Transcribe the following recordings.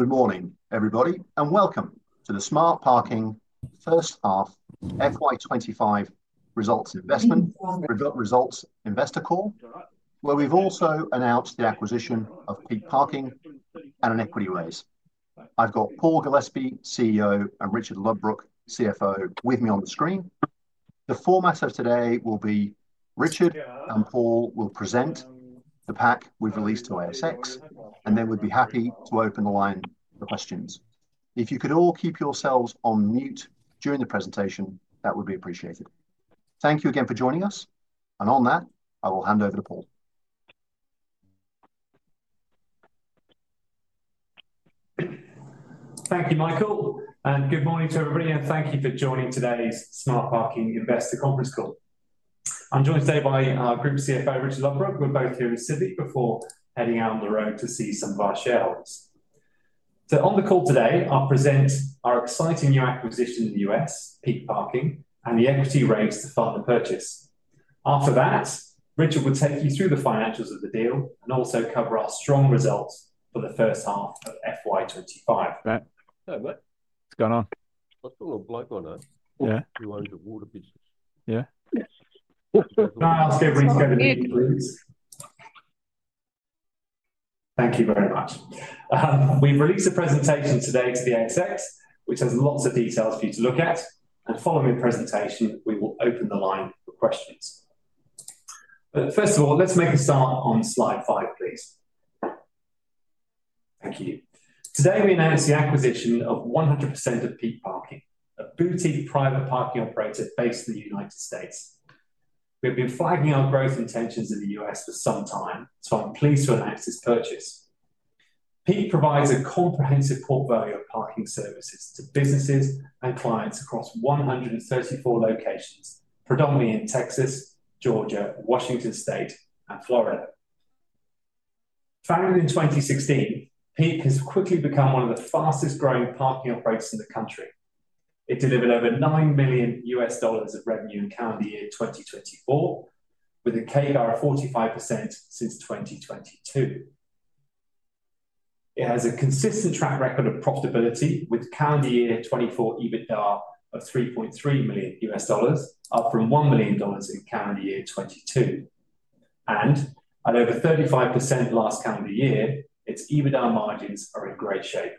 Good morning, everybody, and welcome to the Smart Parking First Half FY25 Results Investment Results Investor Call, where we've also announced the acquisition of Peak Parking and an equity raise. I've got Paul Gillespie, CEO, and Richard Ludbrook, CFO, with me on the screen. The format of today will be Richard and Paul will present the pack we've released to ASX, and then we'd be happy to open the line for questions. If you could all keep yourselves on mute during the presentation, that would be appreciated. Thank you again for joining us, and on that, I will hand over to Paul. Thank you, Michael, and good morning to everybody, and thank you for joining today's Smart Parking Investor Conference Call. I'm joined today by our Group CFO, Richard Ludbrook. We're both here in Sydney before heading out on the road to see some of our shareholders. On the call today, I'll present our exciting new acquisition in the U.S., Peak Parking, and the equity raise to fund the purchase. After that, Richard will take you through the financials of the deal and also cover our strong results for the first half of FY25. What's going on? That's a little blood running. Yeah. He wanted to water business. Yeah. I'll ask everyone to go to the meeting, please. Thank you very much. We've released a presentation today to the ASX, which has lots of details for you to look at. Following the presentation, we will open the line for questions. First of all, let's make a start on slide five, please. Thank you. Today, we announced the acquisition of 100% of Peak Parking, a boutique private parking operator based in the United States. We have been flagging our growth intentions in the U.S. for some time, so I'm pleased to announce this purchase. Peak provides a comprehensive portfolio of parking services to businesses and clients across 134 locations, predominantly in Texas, Georgia, Washington State, and Florida. Founded in 2016, Peak has quickly become one of the fastest-growing parking operators in the country. It delivered over $9 million of revenue in calendar year 2024, with a CAGR of 45% since 2022. It has a consistent track record of profitability, with calendar year 2024 EBITDA of $3.3 million, up from $1 million in calendar year 2022. At over 35% last calendar year, its EBITDA margins are in great shape.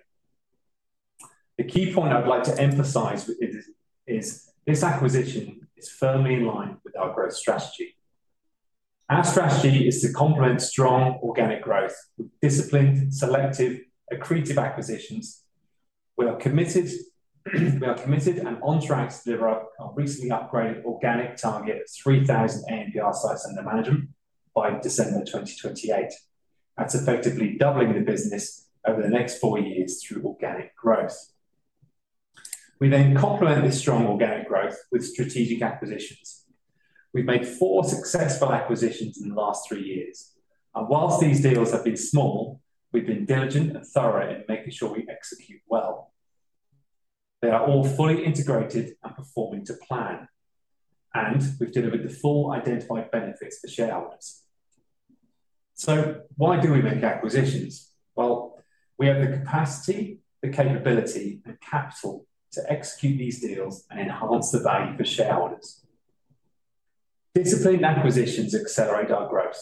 The key point I'd like to emphasize is this acquisition is firmly in line with our growth strategy. Our strategy is to complement strong organic growth with disciplined, selective, accretive acquisitions. We are committed and on track to deliver our recently upgraded organic target of 3,000 AMPR sites under management by December 2028. That's effectively doubling the business over the next four years through organic growth. We then complement this strong organic growth with strategic acquisitions. We've made four successful acquisitions in the last three years. Whilst these deals have been small, we've been diligent and thorough in making sure we execute well. They are all fully integrated and performing to plan, and we've delivered the full identified benefits for shareholders. Why do we make acquisitions? We have the capacity, the capability, and capital to execute these deals and enhance the value for shareholders. Disciplined acquisitions accelerate our growth.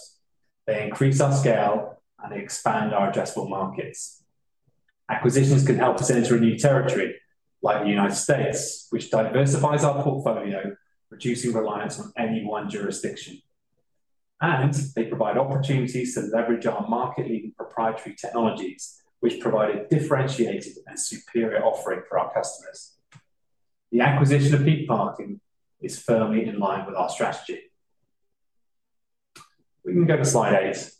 They increase our scale and expand our addressable markets. Acquisitions can help us enter a new territory, like the United States, which diversifies our portfolio, reducing reliance on any one jurisdiction. They provide opportunities to leverage our market-leading proprietary technologies, which provide a differentiated and superior offering for our customers. The acquisition of Peak Parking is firmly in line with our strategy. We can go to slide eight.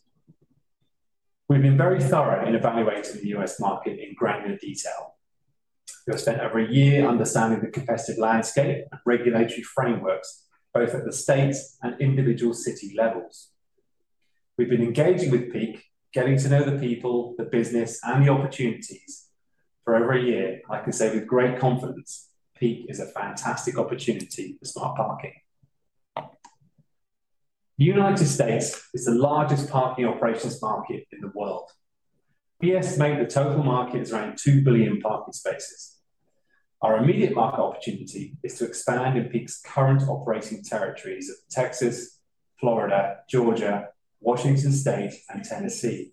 We've been very thorough in evaluating the U.S. market in granular detail. We've spent over a year understanding the competitive landscape and regulatory frameworks, both at the state and individual city levels. We've been engaging with Peak, getting to know the people, the business, and the opportunities. For over a year, I can say with great confidence, Peak is a fantastic opportunity for Smart Parking. The United States is the largest parking operations market in the world. We estimate the total market is around 2 billion parking spaces. Our immediate market opportunity is to expand in Peak's current operating territories of Texas, Florida, Georgia, Washington State, and Tennessee.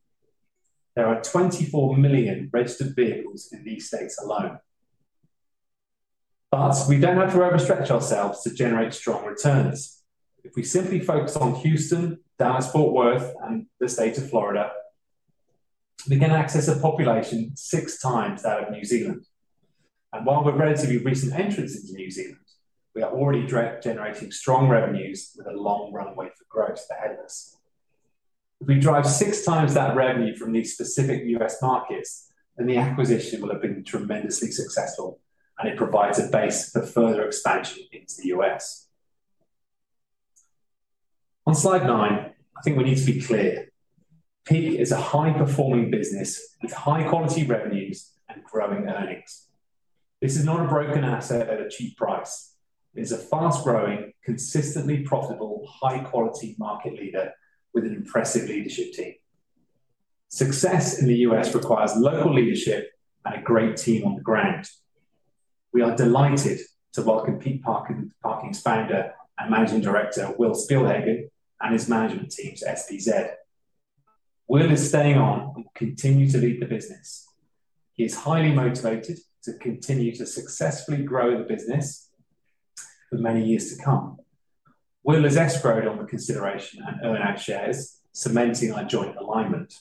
There are 24 million registered vehicles in these states alone. We don't have to overstretch ourselves to generate strong returns. If we simply focus on Houston, Dallas-Fort Worth, and the state of Florida, we can access a population six times that of New Zealand. While we're relatively recent entrants into New Zealand, we are already generating strong revenues with a long runway for growth ahead of us. If we drive six times that revenue from these specific U.S. markets, then the acquisition will have been tremendously successful, and it provides a base for further expansion into the US. On slide nine, I think we need to be clear. Peak is a high-performing business with high-quality revenues and growing earnings. This is not a broken asset at a cheap price. It is a fast-growing, consistently profitable, high-quality market leader with an impressive leadership team. Success in the U.S. requires local leadership and a great team on the ground. We are delighted to welcome Peak Parking's founder and managing director, Will Spielhagen, and his management team, SPZ. Will is staying on and will continue to lead the business. He is highly motivated to continue to successfully grow the business for many years to come. Will has escrowed on the consideration and earned out shares, cementing our joint alignment.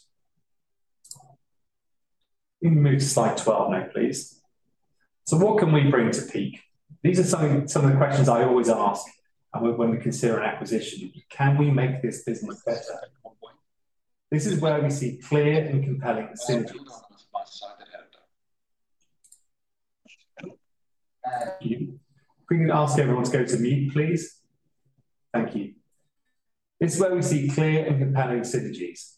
We can move to slide 12 now, please. What can we bring to Peak? These are some of the questions I always ask when we consider an acquisition. Can we make this business better? This is where we see clear and compelling synergies. Thank you. If we can ask everyone to go to mute, please. Thank you. This is where we see clear and compelling synergies.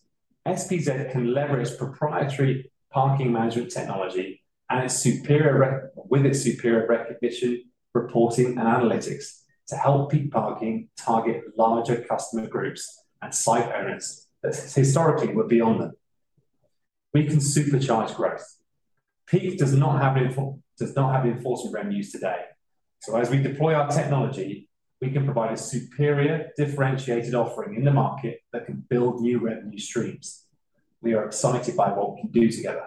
SPZ can leverage proprietary parking management technology with its superior recognition, reporting, and analytics to help Peak Parking target larger customer groups and site owners that historically were beyond them. We can supercharge growth. Peak does not have enforcement revenues today. As we deploy our technology, we can provide a superior differentiated offering in the market that can build new revenue streams. We are excited by what we can do together.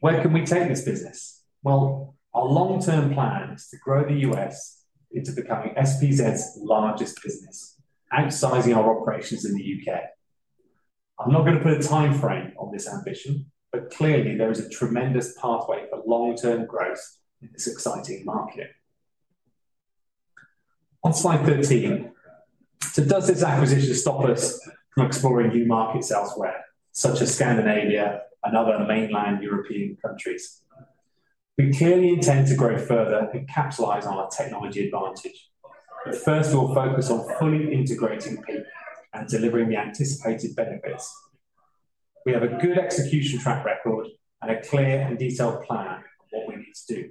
Where can we take this business? Our long-term plan is to grow the U.S. into becoming SPZ's largest business, outsizing our operations in the U.K. I'm not going to put a time frame on this ambition, but clearly, there is a tremendous pathway for long-term growth in this exciting market. On slide 13, does this acquisition stop us from exploring new markets elsewhere, such as Scandinavia and other mainland European countries? We clearly intend to grow further and capitalize on our technology advantage, but first, we'll focus on fully integrating Peak and delivering the anticipated benefits. We have a good execution track record and a clear and detailed plan of what we need to do.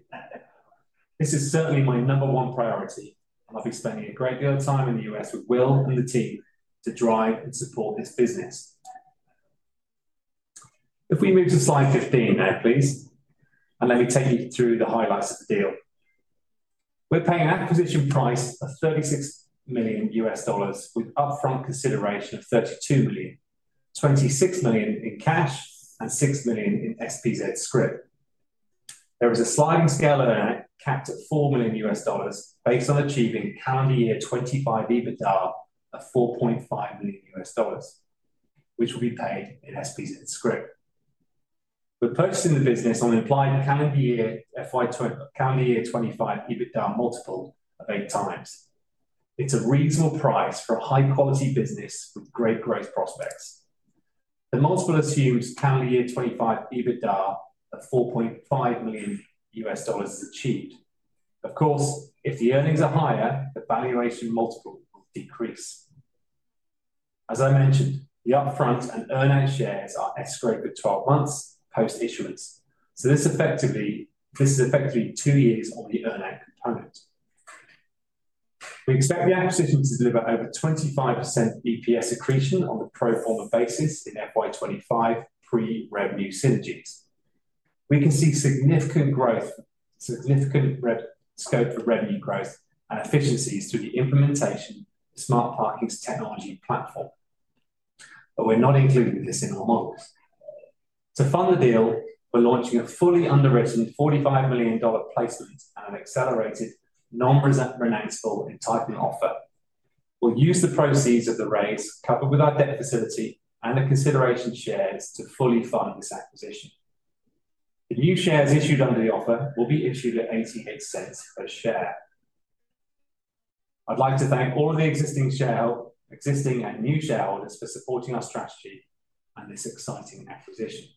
This is certainly my number one priority, and I'll be spending a great deal of time in the U.S. with Will and the team to drive and support this business. If we move to slide 15 now, please, and let me take you through the highlights of the deal. We're paying an acquisition price of $36 million with upfront consideration of $32 million, $26 million in cash, and $6 million in SPZ script. There is a sliding scale earner capped at $4 million based on achieving calendar year 2025 EBITDA of $4.5 million, which will be paid in SPZ script. We're purchasing the business on the implied calendar year 2025 EBITDA multiple of eight times. It's a reasonable price for a high-quality business with great growth prospects. The multiple assumes calendar year 2025 EBITDA of $4.5 million is achieved. Of course, if the earnings are higher, the valuation multiple will decrease. As I mentioned, the upfront and earned out shares are escrowed for 12 months post-issuance. This is effectively two years on the earned out component. We expect the acquisition to deliver over 25% EPS accretion on the pro forma basis in FY2025 pre-revenue synergies. We can see significant scope for revenue growth and efficiencies through the implementation of Smart Parking's technology platform. We are not including this in our models. To fund the deal, we are launching a fully underwritten 45 million dollar placement and an accelerated non-renounceable entitlement offer. We will use the proceeds of the raise, coupled with our debt facility and the consideration shares, to fully fund this acquisition. The new shares issued under the offer will be issued at 0.88 per share. I'd like to thank all of the existing shareholders for supporting our strategy and this exciting acquisition.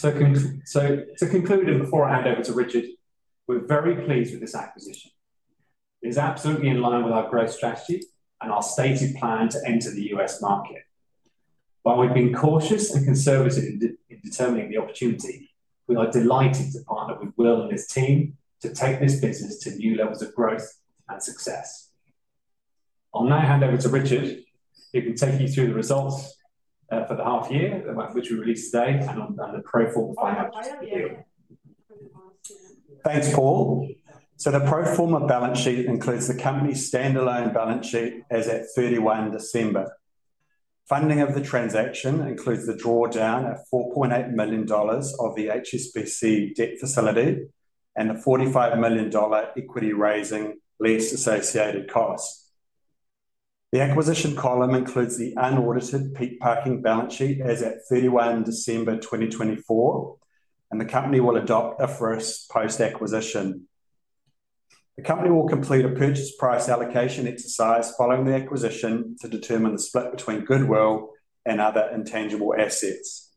To conclude, and before I hand over to Richard, we're very pleased with this acquisition. It is absolutely in line with our growth strategy and our stated plan to enter the U.S. market. While we've been cautious and conservative in determining the opportunity, we are delighted to partner with Will and his team to take this business to new levels of growth and success. I'll now hand over to Richard, who can take you through the results for the half year which we released today and the pro forma financials. Thanks, Paul. The pro forma balance sheet includes the company's standalone balance sheet as at 31 December. Funding of the transaction includes the drawdown of 4.8 million dollars of the HSBC debt facility and the 45 million dollar equity raising less associated costs. The acquisition column includes the unaudited Peak Parking balance sheet as at 31 December 2024, and the company will adopt a first post-acquisition. The company will complete a purchase price allocation exercise following the acquisition to determine the split between goodwill and other intangible assets.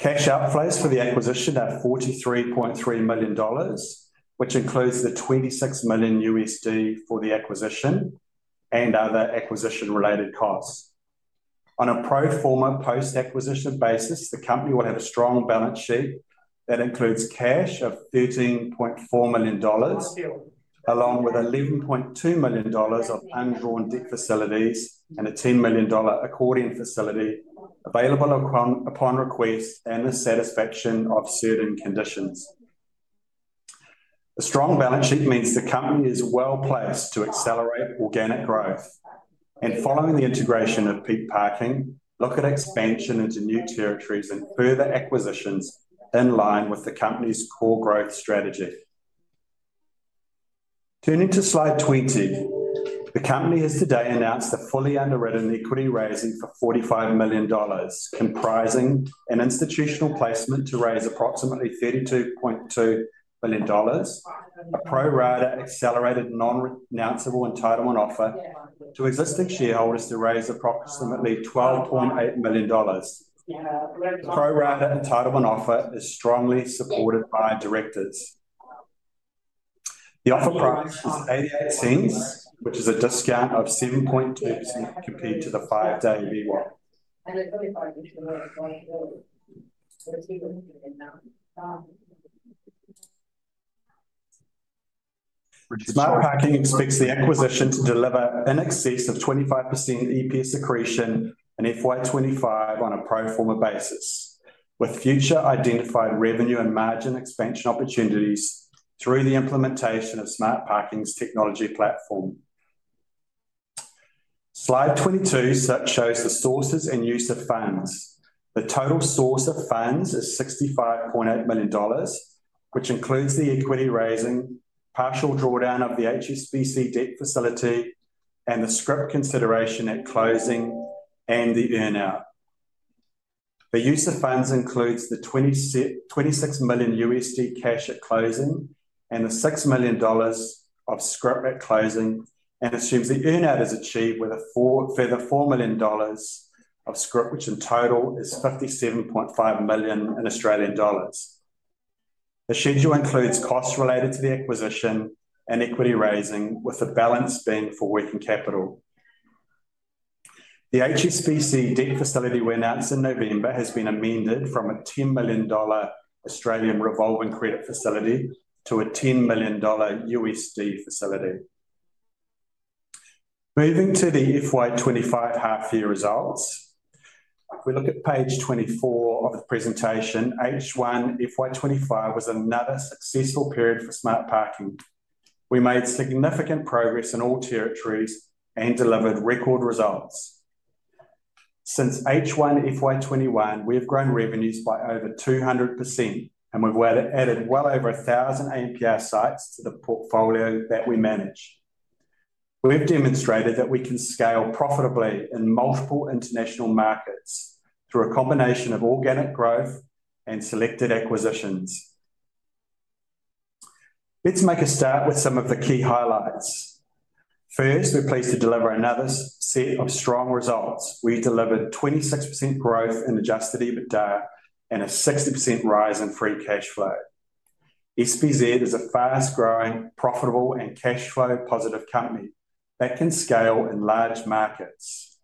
Cash outflows for the acquisition are 43.3 million dollars, which includes the $26 million for the acquisition and other acquisition-related costs. On a pro forma post-acquisition basis, the company will have a strong balance sheet that includes cash of 13.4 million dollars, along with 11.2 million dollars of undrawn debt facilities and an 10 million dollar accordion facility available upon request and the satisfaction of certain conditions. A strong balance sheet means the company is well placed to accelerate organic growth. Following the integration of Peak Parking, look at expansion into new territories and further acquisitions in line with the company's core growth strategy. Turning to slide 20, the company has today announced a fully underwritten equity raising for 45 million dollars, comprising an institutional placement to raise approximately 32.2 million dollars, a pro rata accelerated non-renounceable entitlement offer to existing shareholders to raise approximately 12.8 million dollars. The pro rata entitlement offer is strongly supported by directors. The offer price is 0.88, which is a discount of 7.2% compared to the five-day VWAP. Smart Parking expects the acquisition to deliver in excess of 25% EPS accretion in FY25 on a pro forma basis, with future identified revenue and margin expansion opportunities through the implementation of Smart Parking's technology platform. Slide 22 shows the sources and use of funds. The total source of funds is 65.8 million dollars, which includes the equity raising, partial drawdown of the HSBC debt facility, and the script consideration at closing and the earnout. The use of funds includes the $26 million cash at closing and the $6 million of script at closing and assumes the earnout is achieved with a further $4 million of script, which in total is 57.5 million. The schedule includes costs related to the acquisition and equity raising, with the balance being for working capital. The HSBC debt facility we announced in November has been amended from a 10 million Australian dollars revolving credit facility to a $10 million facility. Moving to the FY25 half-year results, if we look at page 24 of the presentation, H1 FY25 was another successful period for Smart Parking. We made significant progress in all territories and delivered record results. Since H1 FY21, we have grown revenues by over 200%, and we've added well over 1,000 AMPR sites to the portfolio that we manage. We have demonstrated that we can scale profitably in multiple international markets through a combination of organic growth and selected acquisitions. Let's make a start with some of the key highlights. First, we're pleased to deliver another set of strong results. We delivered 26% growth in adjusted EBITDA and a 60% rise in free cash flow. SPZ is a fast-growing, profitable, and cash flow-positive company that can scale in large markets.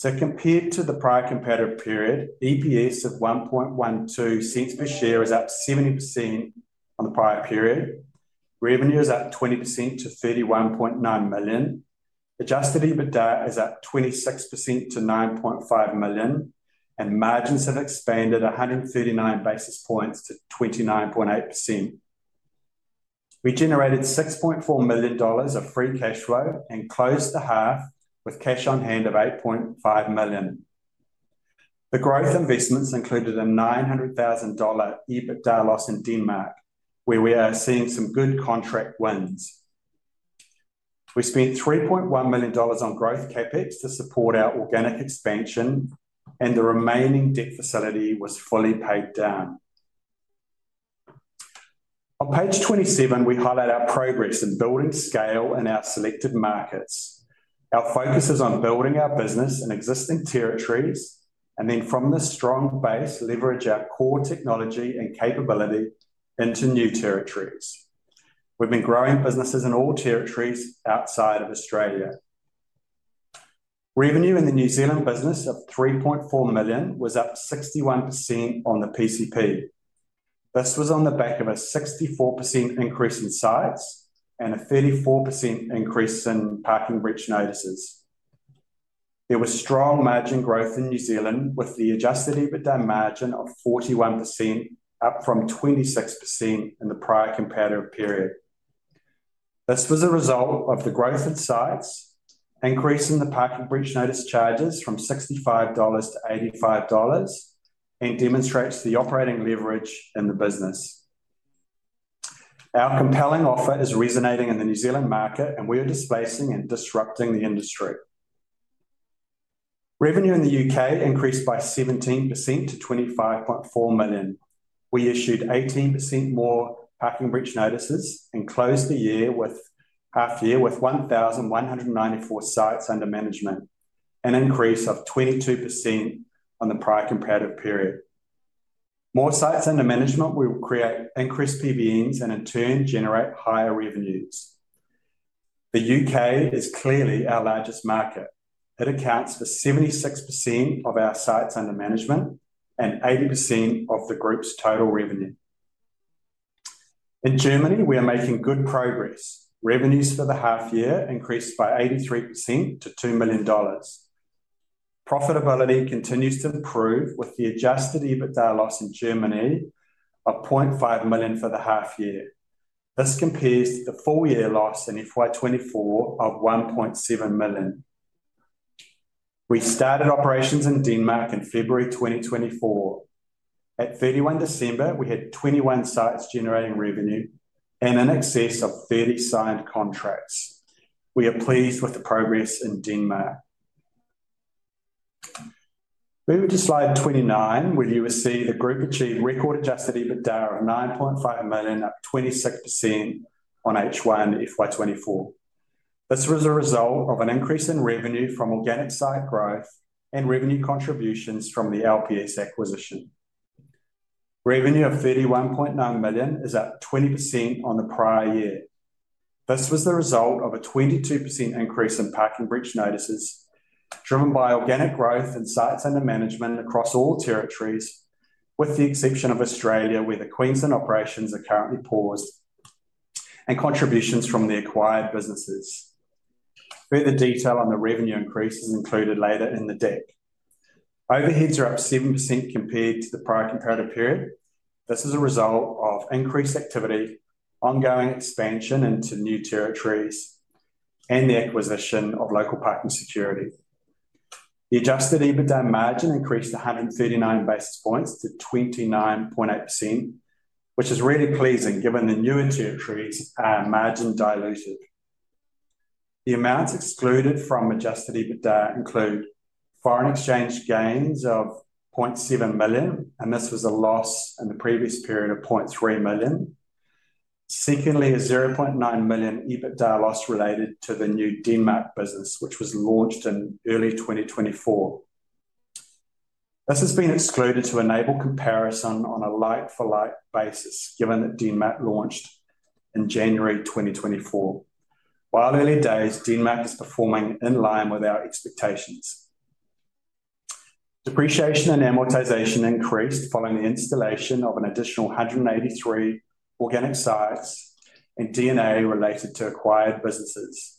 Compared to the prior competitive period, EPS of 0.0112 per share is up 70% on the prior period. Revenue is up 20% to 31.9 million. Adjusted EBITDA is up 26% to 9.5 million, and margins have expanded 139 basis points to 29.8%. We generated 6.4 million dollars of free cash flow and closed the half with cash on hand of 8.5 million. The growth investments included a 900,000 dollar EBITDA loss in Denmark, where we are seeing some good contract wins. We spent 3.1 million dollars on growth CapEx to support our organic expansion, and the remaining debt facility was fully paid down. On page 27, we highlight our progress in building scale in our selected markets. Our focus is on building our business in existing territories and then, from this strong base, leverage our core technology and capability into new territories. We've been growing businesses in all territories outside of Australia. Revenue in the New Zealand business of 3.4 million was up 61% on the PCP. This was on the back of a 64% increase in sites and a 34% increase in Parking Breach Notices. There was strong margin growth in New Zealand with the adjusted EBITDA margin of 41%, up from 26% in the prior competitive period. This was a result of the growth in sites, increase in the Parking Breach Notice charges from 65 dollars to 85 dollars, and demonstrates the operating leverage in the business. Our compelling offer is resonating in the New Zealand market, and we are displacing and disrupting the industry. Revenue in the U.K. increased by 17% to 25.4 million. We issued 18% more Parking Breach Notices and closed the half-year with 1,194 sites under management, an increase of 22% on the prior competitive period. More sites under management will create increased PBNs and, in turn, generate higher revenues. The U.K. is clearly our largest market. It accounts for 76% of our sites under management and 80% of the group's total revenue. In Germany, we are making good progress. Revenues for the half-year increased by 83% to AUD 2 million. Profitability continues to improve with the adjusted EBITDA loss in Germany of 0.5 million for the half-year. This compares to the full-year loss in FY2024 of 1.7 million. We started operations in Denmark in February 2024. At 31 December, we had 21 sites generating revenue and in excess of 30 signed contracts. We are pleased with the progress in Denmark. Moving to slide 29, where you will see the group achieve record adjusted EBITDA of 9.5 million, up 26% on H1 FY24. This was a result of an increase in revenue from organic site growth and revenue contributions from the LPS acquisition. Revenue of 31.9 million is up 20% on the prior year. This was the result of a 22% increase in Parking Breach Notices driven by organic growth and sites under management across all territories, with the exception of Australia, where the Queensland operations are currently paused and contributions from the acquired businesses. Further detail on the revenue increase is included later in the deck. Overheads are up 7% compared to the prior competitive period. This is a result of increased activity, ongoing expansion into new territories, and the acquisition of Local Parking Security. The adjusted EBITDA margin increased 139 basis points to 29.8%, which is really pleasing given the newer territories' margin diluted. The amounts excluded from adjusted EBITDA include foreign exchange gains of 0.7 million, and this was a loss in the previous period of 0.3 million. Secondly, a 0.9 million EBITDA loss related to the new Denmark business, which was launched in early 2024. This has been excluded to enable comparison on a like-for-like basis, given that Denmark launched in January 2024. While early days, Denmark is performing in line with our expectations. Depreciation and amortization increased following the installation of an additional 183 organic sites and DNA related to acquired businesses.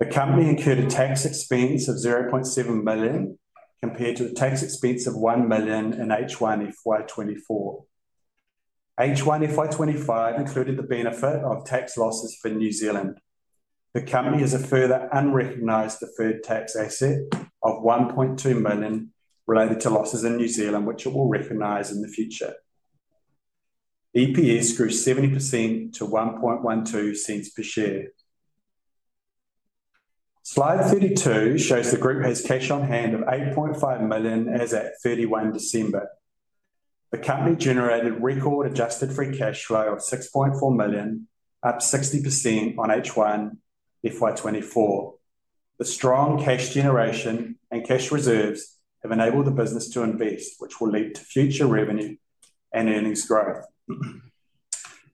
The company incurred a tax expense of 0.7 million compared to the tax expense of 1 million in H1 FY24. H1 FY25 included the benefit of tax losses for New Zealand. The company is a further unrecognized deferred tax asset of 1.2 million related to losses in New Zealand, which it will recognize in the future. EPS grew 70% to 0.0112 per share. Slide 32 shows the group has cash on hand of 8.5 million as at 31 December. The company generated record adjusted free cash flow of 6.4 million, up 60% on H1 FY24. The strong cash generation and cash reserves have enabled the business to invest, which will lead to future revenue and earnings growth.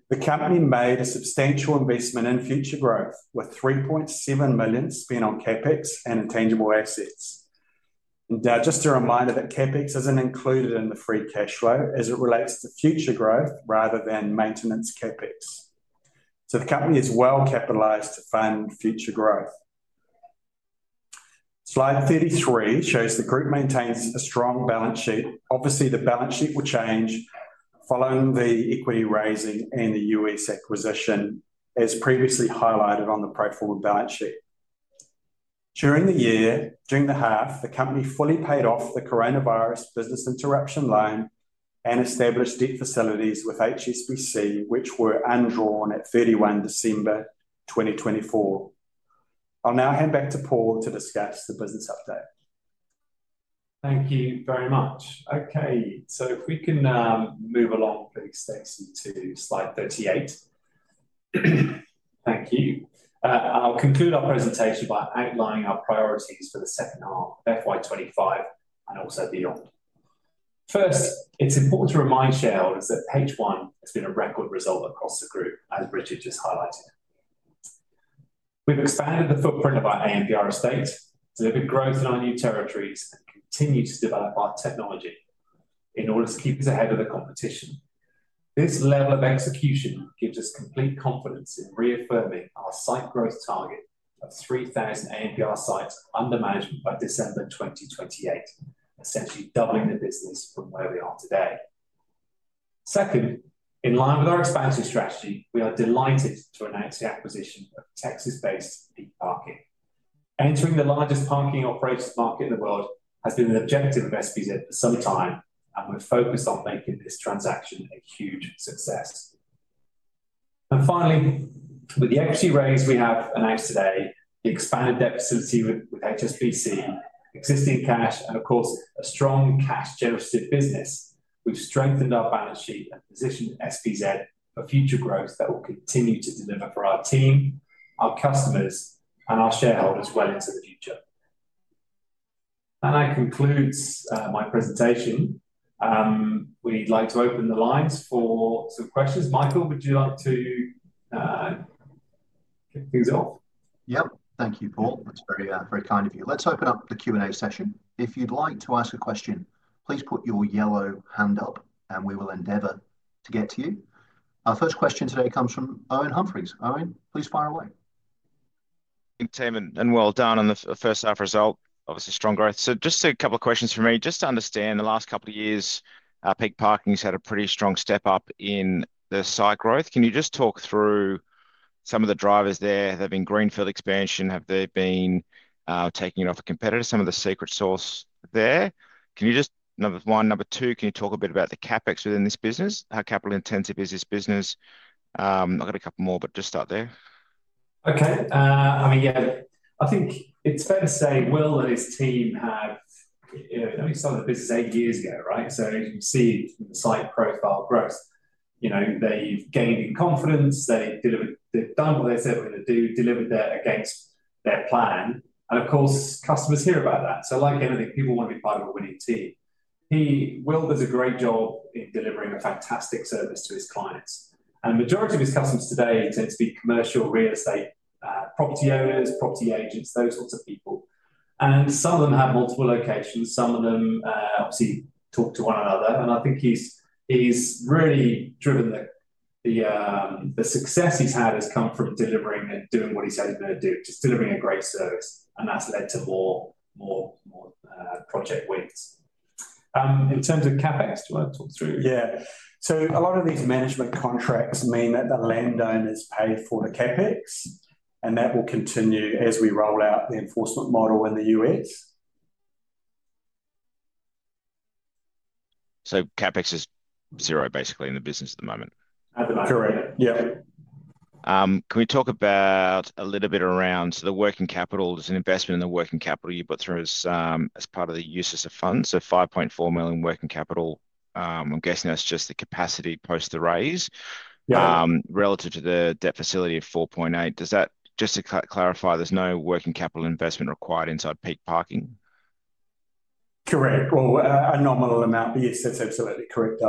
The company made a substantial investment in future growth, with 3.7 million spent on CapEx and intangible assets. Just a reminder that CapEx isn't included in the free cash flow as it relates to future growth rather than maintenance CapEx. The company is well capitalized to fund future growth. Slide 33 shows the group maintains a strong balance sheet. Obviously, the balance sheet will change following the equity raising and the U.S. acquisition, as previously highlighted on the pro forma balance sheet. During the year, during the half, the company fully paid off the coronavirus business interruption loan and established debt facilities with HSBC, which were undrawn at 31 December 2024. I'll now hand back to Paul to discuss the business update. Thank you very much. Okay, if we can move along, please, Stacey, to slide 38. Thank you. I'll conclude our presentation by outlining our priorities for the second half of FY25 and also beyond. First, it's important to remind shareholders that H1 has been a record result across the group, as Richard just highlighted. We've expanded the footprint of our AMPR estate, delivered growth in our new territories, and continued to develop our technology in order to keep us ahead of the competition. This level of execution gives us complete confidence in reaffirming our site growth target of 3,000 AMPR sites under management by December 2028, essentially doubling the business from where we are today. Second, in line with our expansion strategy, we are delighted to announce the acquisition of Texas-based Peak Parking. Entering the largest parking operators market in the world has been an objective of SPZ for some time, and we're focused on making this transaction a huge success. Finally, with the equity raise we have announced today, the expanded debt facility with HSBC, existing cash, and, of course, a strong cash generative business, we've strengthened our balance sheet and positioned SPZ for future growth that will continue to deliver for our team, our customers, and our shareholders well into the future. That concludes my presentation. We'd like to open the lines for some questions. Michael, would you like to kick things off? Yep. Thank you, Paul. That's very kind of you. Let's open up the Q&A session. If you'd like to ask a question, please put your yellow hand up, and we will endeavor to get to you. Our first question today comes from Owen Humphries. Owen, please fire away. Thank you, Tammy, and well done on the first-half result. Obviously, strong growth. Just a couple of questions for me. Just to understand, the last couple of years, Peak Parking has had a pretty strong step up in the site growth. Can you just talk through some of the drivers there? There have been greenfield expansion. Have they been taking it off a competitor? Some of the secret sauce there. Number one, number two, can you talk a bit about the CapEx within this business? How capital-intensive is this business? I've got a couple more, but just start there. Okay. I mean, yeah, I think it's fair to say Will and his team have at least started the business eight years ago, right? As you can see from the site profile growth, they've gained confidence. They've done what they said they were going to do, delivered that against their plan. Of course, customers hear about that. Like anything, people want to be part of a winning team. Will does a great job in delivering a fantastic service to his clients. The majority of his customers today tend to be commercial real estate property owners, property agents, those sorts of people. Some of them have multiple locations. Some of them obviously talk to one another. I think he's really driven the success he's had has come from delivering and doing what he said he was going to do, just delivering a great service. That's led to more project wins. In terms of CapEx, do you want to talk through? Yeah. A lot of these management contracts mean that the landowners pay for the CapEx, and that will continue as we roll out the enforcement model in the U.S. CapEx is zero, basically, in the business at the moment. Correct. Yep. Can we talk about a little bit around the working capital? There's an investment in the working capital you put through as part of the uses of funds. 5.4 million working capital. I'm guessing that's just the capacity post the raise relative to the debt facility of 4.8 million. Just to clarify, there's no working capital investment required inside Peak Parking? Correct. A nominal amount, but yes, that's absolutely correct.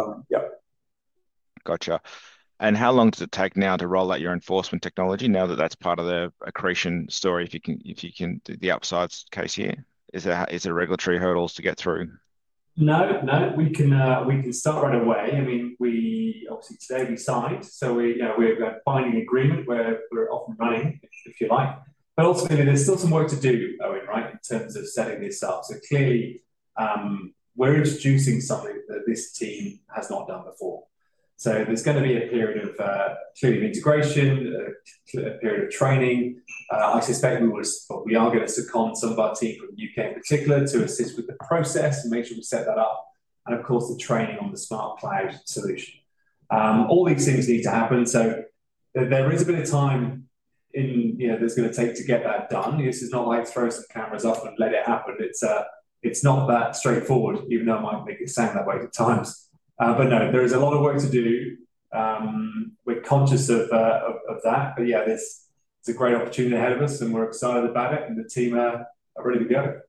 Gotcha. How long does it take now to roll out your enforcement technology now that that's part of the accretion story, if you can do the upsides case here? Is there regulatory hurdles to get through? No, no. We can start right away. I mean, obviously, today we signed. We are finding agreement where we are off and running, if you like. Ultimately, there's still some work to do, Owen, in terms of setting this up. Clearly, we are introducing something that this team has not done before. There is going to be a period of integration, a period of training. I suspect we are going to sit on some of our team from the U.K. in particular to assist with the process and make sure we set that up. Of course, the training on the smart cloud solution. All these things need to happen. There is a bit of time that it's going to take to get that done. This is not like throwing some cameras up and letting it happen. It's not that straightforward, even though it might make it sound that way at times. There is a lot of work to do. We're conscious of that. Yeah, it's a great opportunity ahead of us, and we're excited about it. The team are ready to go.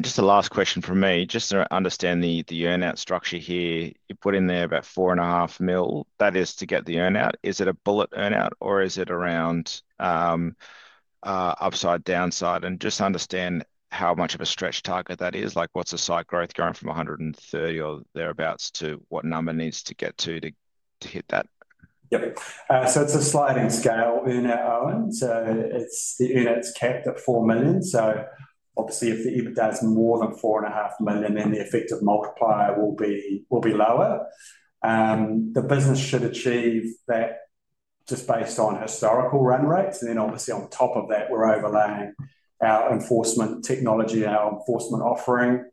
Just a last question for me. Just to understand the earnout structure here, you put in there about $4.5 million. That is to get the earnout. Is it a bullet earnout, or is it around upside, downside? Just understand how much of a stretch target that is. What's the site growth going from 130 or thereabouts to what number needs to get to to hit that? Yep. It's a sliding scale earnout, Owen. The earnout's capped at $4 million. Obviously, if the EBITDA is more than $4.5 million, then the effective multiplier will be lower. The business should achieve that just based on historical run rates. Obviously, on top of that, we're overlaying our enforcement technology, our enforcement offering,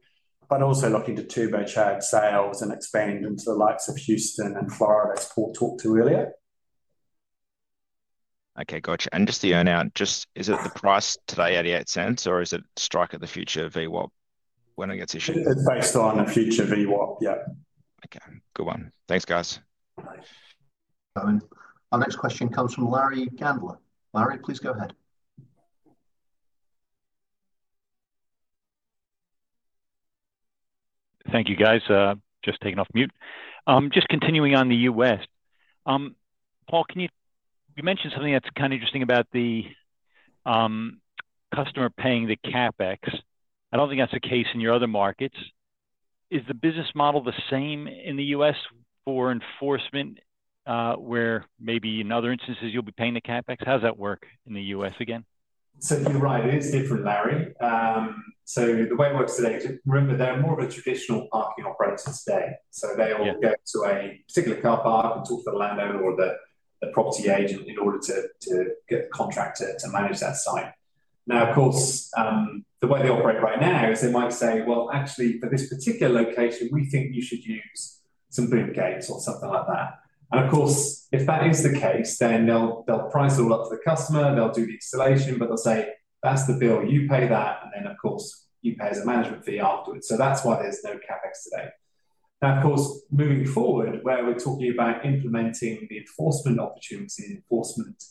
but also looking to turbocharge sales and expand into the likes of Houston and Florida as Paul talked to earlier. Okay, gotcha. Just the earnout, is it the price today at $0.88, or is it strike at the future VWAP when it gets issued? It's based on a future VWAP, yep. Okay. Good one. Thanks, guys. Our next question comes from Larry Gambler. Larry, please go ahead. Thank you, guys. Just taking off mute. Just continuing on the U.S. Paul, you mentioned something that's kind of interesting about the customer paying the CapEx. I don't think that's the case in your other markets. Is the business model the same in the U.S. for enforcement, where maybe in other instances you'll be paying the CapEx? How does that work in the U.S. again? You're right. It is different, Larry. The way it works today is, remember, they're more of a traditional parking operator today. They'll go to a particular car park and talk to the landowner or the property agent in order to get the contract to manage that site. Now, of course, the way they operate right now is they might say, "Well, actually, for this particular location, we think you should use some boom gates or something like that." If that is the case, then they'll price it all up to the customer. They'll do the installation, but they'll say, "That's the bill. You pay that." Then, of course, you pay as a management fee afterwards. That's why there's no CapEx today. Now, moving forward, where we're talking about implementing the enforcement opportunity and enforcement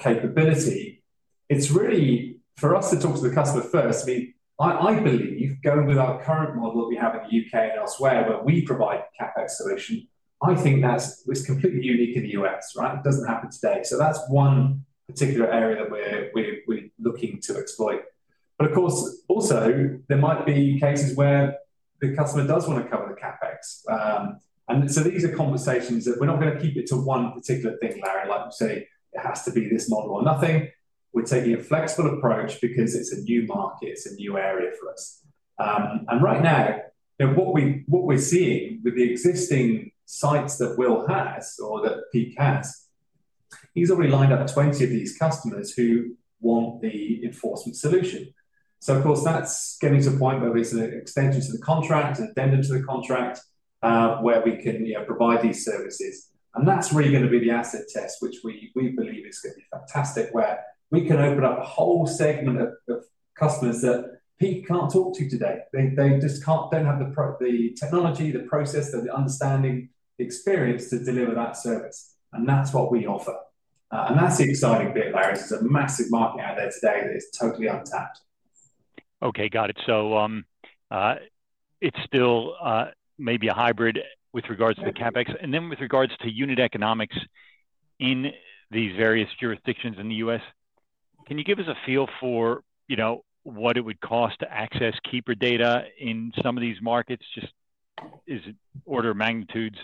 capability, it's really for us to talk to the customer first. I mean, I believe going with our current model that we have in the U.K. and elsewhere where we provide the CapEx solution, I think that's completely unique in the U.S., right? It doesn't happen today. That's one particular area that we're looking to exploit. Of course, also, there might be cases where the customer does want to cover the CapEx. These are conversations that we're not going to keep to one particular thing, Larry. Like you say, it has to be this model or nothing. We're taking a flexible approach because it's a new market. It's a new area for us. Right now, what we're seeing with the existing sites that Will has or that Peak has, he's already lined up 20 of these customers who want the enforcement solution. Of course, that's getting to a point where there's an extension to the contract, an addendum to the contract, where we can provide these services. That is really going to be the asset test, which we believe is going to be fantastic, where we can open up a whole segment of customers that Peak cannot talk to today. They just do not have the technology, the process, the understanding, the experience to deliver that service. That is what we offer. That is the exciting bit, Larry. There is a massive market out there today that is totally untapped. Okay, got it. It is still maybe a hybrid with regards to the CapEx. With regards to unit economics in these various jurisdictions in the U.S., can you give us a feel for what it would cost to access keeper data in some of these markets? Just order of magnitudes.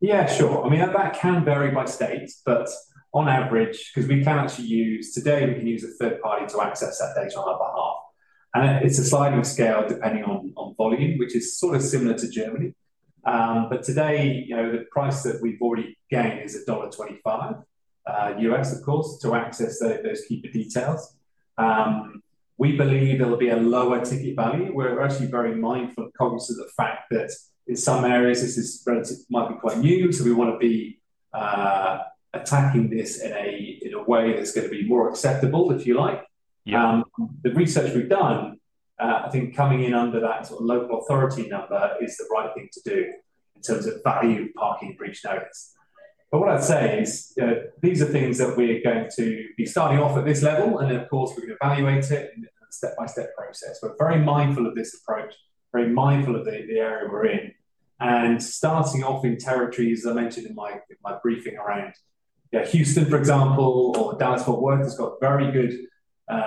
Yeah, sure. I mean, that can vary by state, but on average, because we can actually use today, we can use a third party to access that data on our behalf. It is a sliding scale depending on volume, which is sort of similar to Germany. Today, the price that we have already gained is $1.25 U.S. of course, to access those keeper details. We believe there will be a lower ticket value. We are actually very mindful and cognizant of the fact that in some areas, this might be quite new. We want to be attacking this in a way that is going to be more acceptable, if you like. The research we have done, I think coming in under that sort of local authority number is the right thing to do in terms of value of parking breach notice. What I'd say is these are things that we're going to be starting off at this level. Of course, we're going to evaluate it in a step-by-step process. We're very mindful of this approach, very mindful of the area we're in. Starting off in territories, as I mentioned in my briefing around Houston, for example, or Dallas-Fort Worth, has got very good,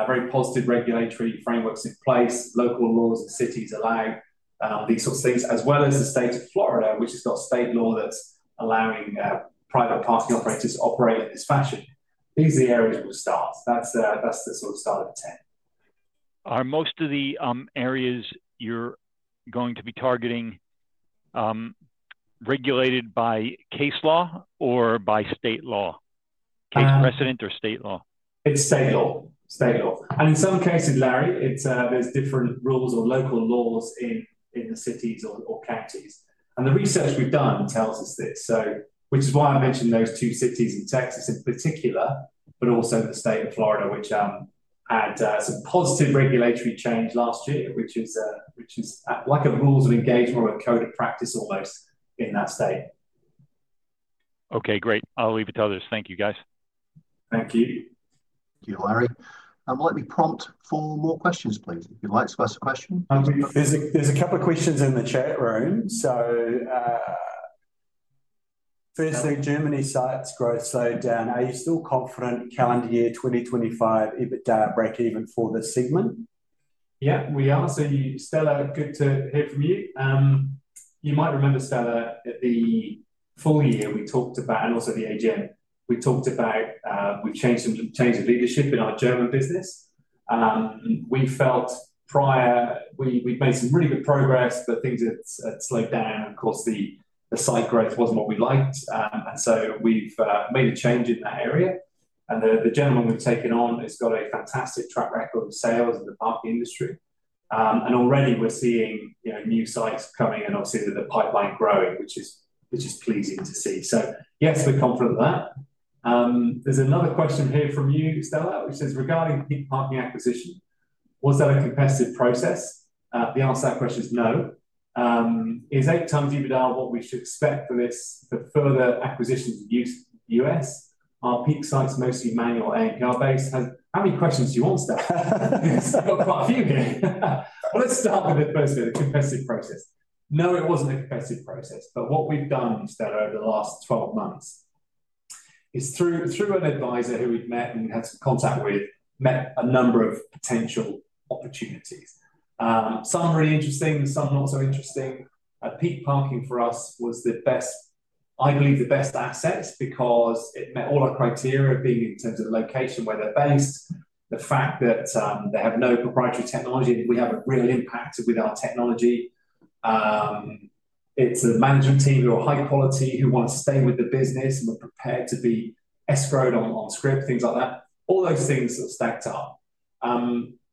very positive regulatory frameworks in place. Local laws and cities allow these sorts of things, as well as the state of Florida, which has got state law that's allowing private parking operators to operate in this fashion. These are the areas we'll start. That's the sort of start of the tent. Are most of the areas you're going to be targeting regulated by case law or by state law? Case precedent or state law? It's state law. State law. In some cases, Larry, there are different rules or local laws in the cities or counties. The research we have done tells us this, which is why I mentioned those two cities in Texas in particular, but also the state of Florida, which had some positive regulatory change last year, which is like a rules of engagement or a code of practice almost in that state. Okay, great. I will leave it to others. Thank you, guys. Thank you. Thank you, Larry. Let me prompt for more questions, please, if you would like to ask a question. There are a couple of questions in the chat room. Firstly, Germany's sites growth slowed down. Are you still confident calendar year 2025, if it does break even for the segment? Yes, we are. Stella, good to hear from you. You might remember, Stella, at the full year we talked about, and also the AGM. We talked about we've changed the leadership in our German business. We felt prior we've made some really good progress, but things had slowed down. Of course, the site growth wasn't what we liked. We made a change in that area. The gentleman we've taken on has got a fantastic track record of sales in the parking industry. Already, we're seeing new sites coming and obviously the pipeline growing, which is pleasing to see. Yes, we're confident of that. There's another question here from you, Stella, which says, "Regarding Peak Parking acquisition, was that a competitive process?" The answer to that question is no. Is 8 times EBITDA what we should expect for further acquisitions and use in the U.S.? Are Peak sites mostly manual ANPR-based? How many questions do you want, Stella? We've got quite a few here. Let's start with the competitive process. No, it wasn't a competitive process. What we've done, Stella, over the last 12 months is through an advisor who we've met and had some contact with, met a number of potential opportunities. Some really interesting, some not so interesting. Peak Parking for us was, I believe, the best asset because it met all our criteria of being in terms of the location where they're based, the fact that they have no proprietary technology, and we have a real impact with our technology. It's a management team who are high quality, who want to stay with the business and were prepared to be escrowed on script, things like that. All those things stacked up.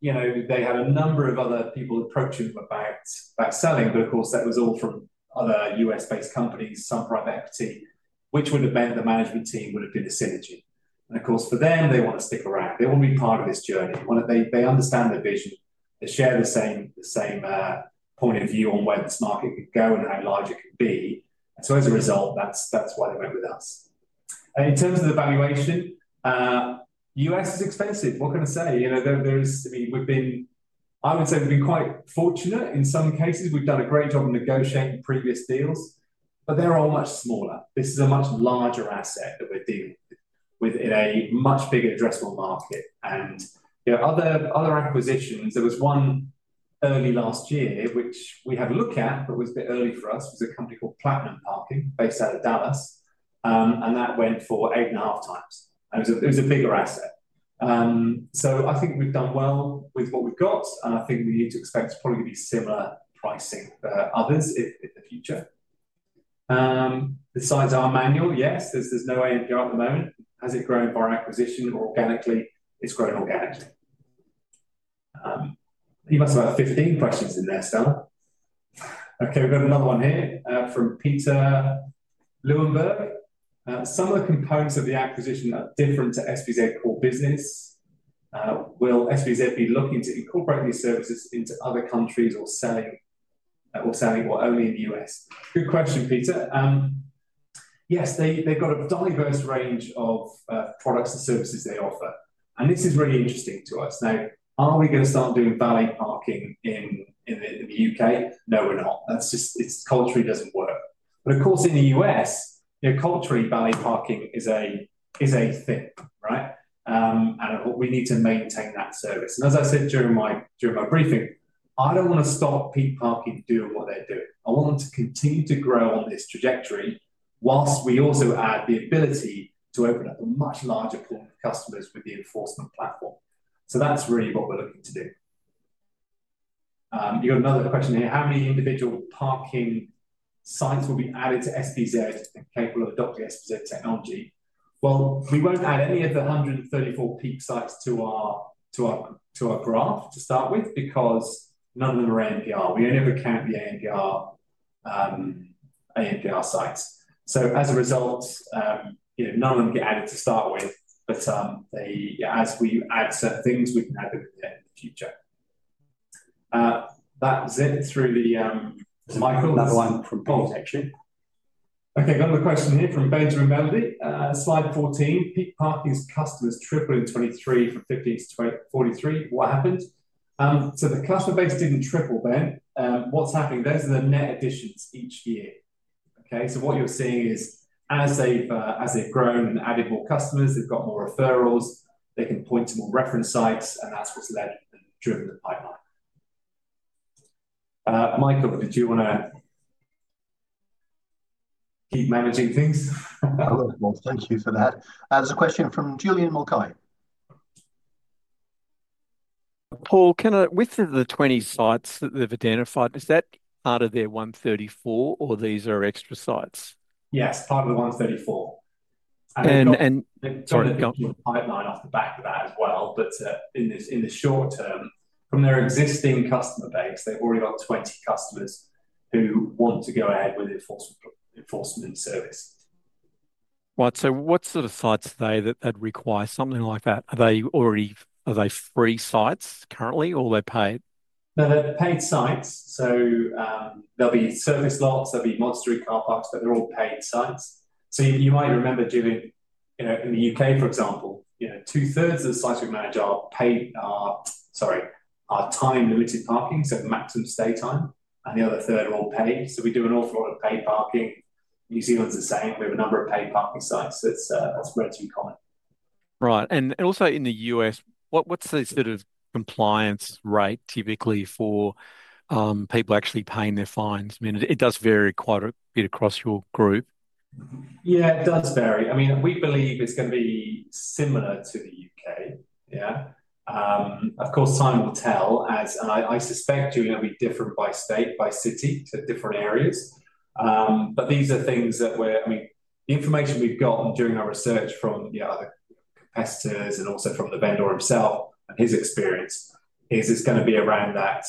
They had a number of other people approaching them about selling, but of course, that was all from other U.S.-based companies, some private equity, which would have meant the management team would have been a synergy. Of course, for them, they want to stick around. They want to be part of this journey. They understand the vision. They share the same point of view on where this market could go and how large it could be. As a result, that's why they went with us. In terms of the valuation, U.S. is expensive. What can I say? I mean, I would say we've been quite fortunate in some cases. We've done a great job negotiating previous deals, but they're all much smaller. This is a much larger asset that we're dealing with in a much bigger addressable market. Other acquisitions, there was one early last year, which we had a look at, but was a bit early for us. It was a company called Platinum Parking based out of Dallas. That went for 8.5 times. It was a bigger asset. I think we've done well with what we've got. I think we need to expect probably to be similar pricing for others in the future. Besides our manual, yes, there's no ANPR at the moment. Has it grown by acquisition or organically? It's grown organically. You must have about 15 questions in there, Stella. Okay, we've got another one here from Peter Luenberg. Some of the components of the acquisition are different to SPZ core business. Will SPZ be looking to incorporate these services into other countries or selling only in the U.S.? Good question, Peter. Yes, they've got a diverse range of products and services they offer. This is really interesting to us. Now, are we going to start doing valet parking in the U.K.? No, we're not. It culturally doesn't work. Of course, in the U.S., culturally, valet parking is a thing, right? We need to maintain that service. As I said during my briefing, I don't want to stop Peak Parking doing what they're doing. I want them to continue to grow on this trajectory whilst we also add the ability to open up a much larger pool of customers with the enforcement platform. That is really what we're looking to do. You've got another question here. How many individual parking sites will be added to SPZ and capable of adopting SPZ technology? We will not add any of the 134 Peak sites to our graph to start with because none of them are ANPR. We only ever count the ANPR sites. As a result, none of them get added to start with. As we add certain things, we can add them in the future. That was it through Michael. Another one from Paul, actually. Okay, got another question here from Benjamin Melody. Slide 14, Peak Parking's customers tripled in 2023 from 15 to 43. What happened? The customer base did not triple, Ben. What is happening is those are the net additions each year. What you are seeing is as they have grown and added more customers, they have got more referrals, they can point to more reference sites, and that is what has led and driven the pipeline. Michael, did you want to keep managing things? Thank you for that. There's a question from Julian Mulcahy. Paul, with the 20 sites that they've identified, is that part of their 134, or these are extra sites? Yes, part of the 134. Sorry, the pipeline off the back of that as well. In the short term, from their existing customer base, they've already got 20 customers who want to go ahead with enforcement service. Right. What sort of sites are they that require something like that? Are they free sites currently, or are they paid? They're paid sites. There'll be service lots. There'll be monastery car parks, but they're all paid sites. You might remember in the U.K., for example, two-thirds of the sites we manage are paid—sorry—are time-limited parking, so maximum stay time. The other third are all paid. We do an awful lot of paid parking. New Zealand's the same. We have a number of paid parking sites. That's relatively common. Right. Also in the U.S., what's the sort of compliance rate typically for people actually paying their fines? I mean, it does vary quite a bit across your group. Yeah, it does vary. I mean, we believe it's going to be similar to the U.K.. Yeah. Of course, time will tell, and I suspect it'll be different by state, by city, to different areas. These are things that we're—I mean, the information we've gotten during our research from other competitors and also from the vendor himself and his experience is it's going to be around that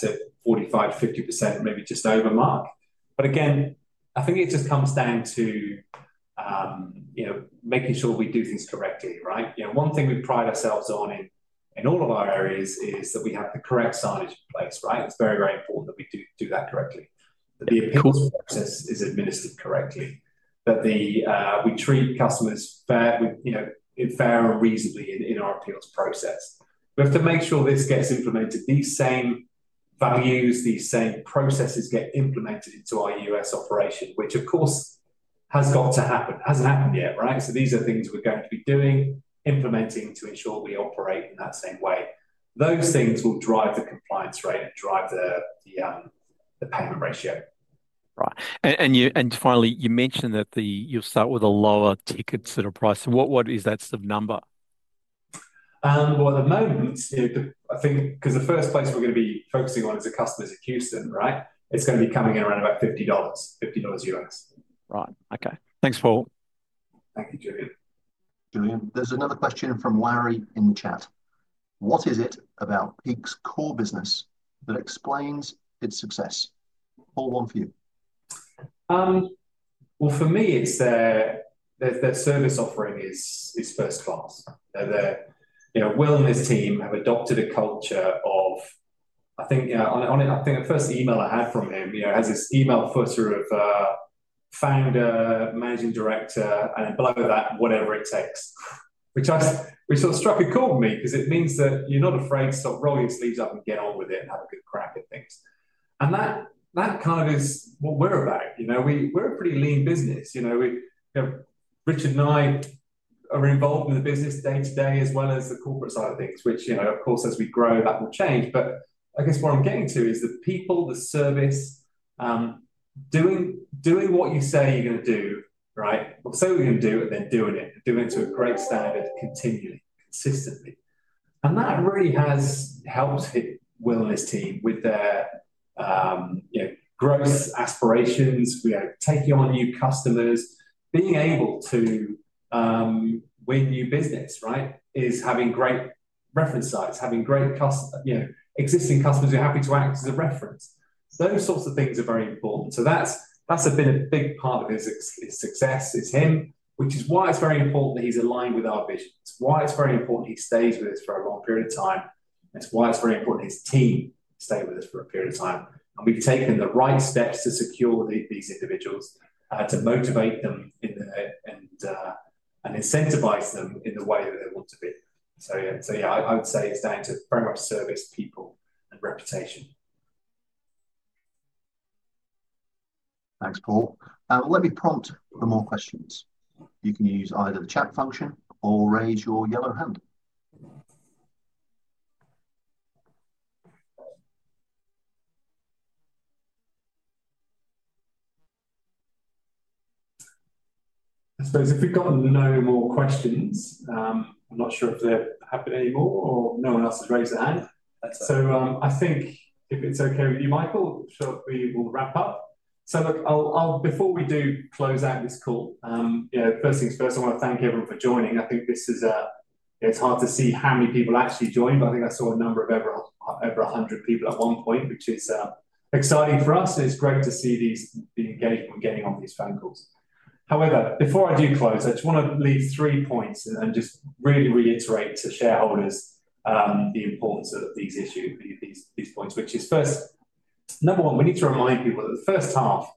45-50%, maybe just over mark. Again, I think it just comes down to making sure we do things correctly, right? One thing we pride ourselves on in all of our areas is that we have the correct signage in place, right? It is very, very important that we do that correctly. That the appeals process is administered correctly. That we treat customers fair and reasonably in our appeals process. We have to make sure this gets implemented. These same values, these same processes get implemented into our U.S. operation, which, of course, has got to happen. Has not happened yet, right? These are things we are going to be doing, implementing to ensure we operate in that same way. Those things will drive the compliance rate and drive the payment ratio. Right. Finally, you mentioned that you will start with a lower ticket sort of price. What is that sort of number? At the moment, I think because the first place we're going to be focusing on is the customers in Houston, right? It's going to be coming in around about $50, $50. Right. Okay. Thanks, Paul. Thank you, Julian. There's another question from Larry in the chat. What is it about Peak's core business that explains its success? Paul, one for you. For me, their service offering is first class. Their wellness team have adopted a culture of, I think, on the first email I had from him, it has this email footer of founder, managing director, and then below that, whatever it takes. Which sort of struck a chord with me because it means that you're not afraid to stop rolling your sleeves up and get on with it and have a good crack at things. That kind of is what we're about. We're a pretty lean business. Richard and I are involved in the business day-to-day as well as the corporate side of things, which, of course, as we grow, that will change. I guess what I'm getting to is the people, the service, doing what you say you're going to do, right? Say we're going to do it and then doing it, doing it to a great standard continually, consistently. That really has helped the wellness team with their growth aspirations, taking on new customers, being able to win new business, right? Is having great reference sites, having great existing customers who are happy to act as a reference. Those sorts of things are very important. That's been a big part of his success, is him, which is why it's very important that he's aligned with our visions. Why it's very important he stays with us for a long period of time. That's why it's very important his team stays with us for a period of time. We have taken the right steps to secure these individuals, to motivate them and incentivize them in the way that they want to be. Yeah, I would say it's down to very much service people and reputation. Thanks, Paul. Let me prompt for more questions. You can use either the chat function or raise your yellow hand. I suppose if we've got no more questions, I'm not sure if they're happening anymore or no one else has raised their hand. I think if it's okay with you, Michael, we will wrap up. Before we do close out this call, first things first, I want to thank everyone for joining. I think it's hard to see how many people actually joined, but I think I saw a number of over 100 people at one point, which is exciting for us. It's great to see the engagement getting on these phone calls. However, before I do close, I just want to leave three points and just really reiterate to shareholders the importance of these issues, these points, which is first, number one, we need to remind people that the first half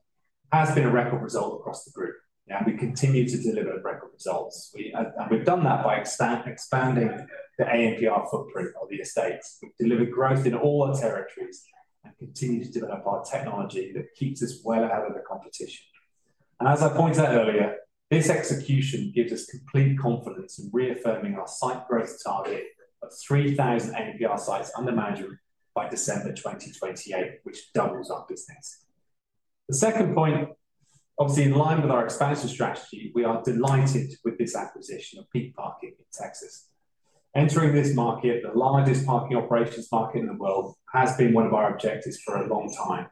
has been a record result across the group. And we continue to deliver record results. And we've done that by expanding the ANPR footprint of the estates. We've delivered growth in all our territories and continue to develop our technology that keeps us well ahead of the competition. As I pointed out earlier, this execution gives us complete confidence in reaffirming our site growth target of 3,000 ANPR sites under management by December 2028, which doubles our business. The second point, obviously in line with our expansion strategy, we are delighted with this acquisition of Peak Parking in Texas. Entering this market, the largest parking operations market in the world, has been one of our objectives for a long time.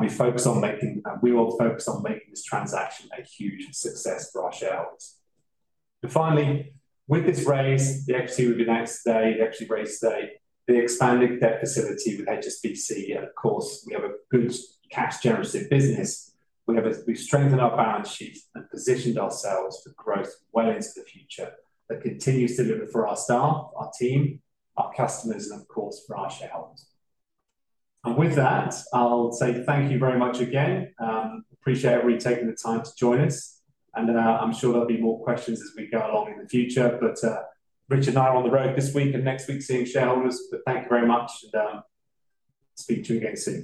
We focus on making—we will focus on making this transaction a huge success for our shareholders. Finally, with this raise, the equity we've announced today, the equity raised today, the expanded debt facility with HSBC, and of course, we have a good cash-generative business. We've strengthened our balance sheet and positioned ourselves for growth well into the future that continues to deliver for our staff, our team, our customers, and of course, for our shareholders. Thank you very much again. Appreciate everybody taking the time to join us. I'm sure there'll be more questions as we go along in the future. Richard and I are on the road this week and next week seeing shareholders. Thank you very much. Speak to you again soon.